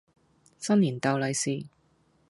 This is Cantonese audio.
新年逗利是